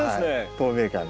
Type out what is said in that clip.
透明感が。